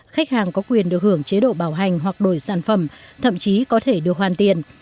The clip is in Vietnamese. khách hàng có quyền được hưởng chế độ bảo hành hoặc đổi sản phẩm thậm chí có thể được hoàn tiền